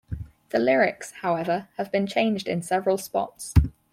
The lyrics, however, have been changed in several spots.